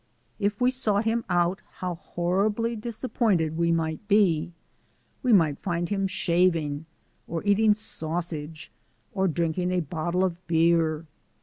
If we sought him out how horribly disappointed we might be! We might find him shaving, or eating sausage, or drinking a bottle of beer.